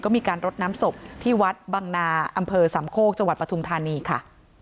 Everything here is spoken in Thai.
มีการรดน้ำศพที่วัดบังนาอำเภอสามโคกจังหวัดปฐุมธานีค่ะ